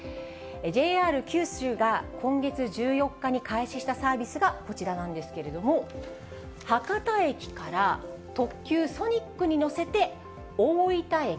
ＪＲ九州が今月１４日に開始したサービスが、こちらなんですけれども、博多駅から特急ソニックに載せて、大分駅。